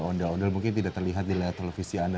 ondel ondel mungkin tidak terlihat di layar televisi anda